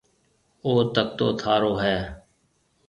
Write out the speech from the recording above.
او تڪتو ٿارو هيَ